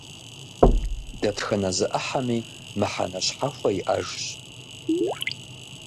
Дэтхэнэ зы Ӏыхьэми мыхьэнэ щхьэхуэ иӀэжщ.